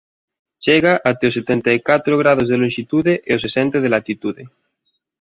Chega até os setenta e catro graos de lonxitude e os sesenta de latitude.